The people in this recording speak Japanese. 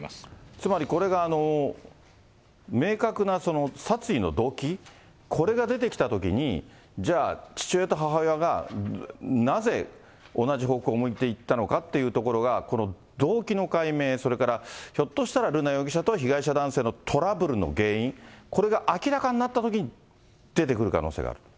つまりこれが明確な殺意の動機、これが出てきたときに、じゃあ、父親と母親が、なぜ同じ方向を向いていったのかというところが、この動機の解明、それからひょっとしたら瑠奈容疑者と被害者男性のトラブルの原因、これが明らかになったときに出てくる可能性がある。